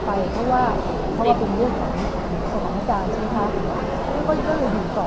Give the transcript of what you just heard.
พี่เค้ามีพูดคุยหรอกเพราะให้กับคนไหนบ้างไหมคะ